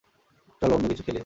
চলো, অন্য কিছু খেলি।